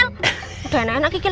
ngomong dulu kan baru noel